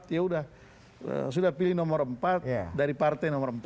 dia sudah pilih nomor empat dari partai nomor empat